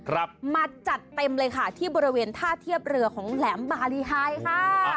ครับมาจัดเต็มเลยค่ะที่บริเวณท่าเทียบเรือของแหลมบารีไฮค่ะ